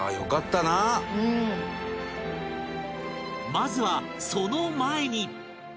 まずはその前に